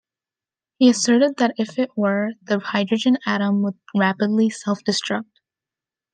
He asserted that if it were, the hydrogen atom would rapidly self-destruct.